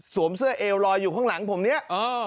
เสื้อเอวลอยอยู่ข้างหลังผมเนี่ย